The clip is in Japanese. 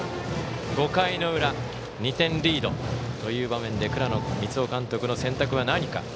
５回の裏２点リードという場面で倉野光生監督の選択は何か。